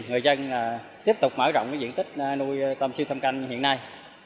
người dân tiếp tục mở rộng diện tích nuôi tôm siêu thâm canh hiện nay